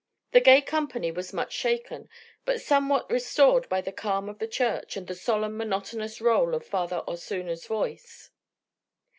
The gay company was much shaken, but somewhat restored by the calm of the church and the solemn monotonous roll of Father Osuna's voice.